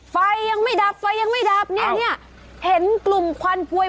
ไฟยังไม่ดับไฟยังไม่ดับเนี่ยเนี่ยเห็นกลุ่มควันพวย